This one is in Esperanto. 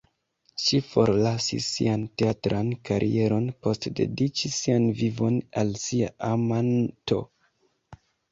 Ŝi forlasis sian teatran karieron post dediĉi sian vivon al sia ama(n)to.